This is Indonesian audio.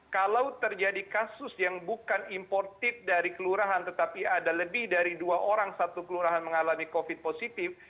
kalau terjadi kasus yang bukan importif dari kelurahan tetapi ada lebih dari dua orang satu kelurahan mengalami covid positif